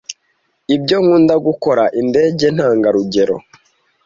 Ibyo nkunda gukora indege ntangarugero.